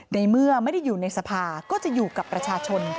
ในเมื่อไม่ได้อยู่ในสภาก็จะอยู่กับประชาชน